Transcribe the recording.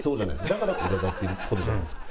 だからいら立ってる事じゃないですか。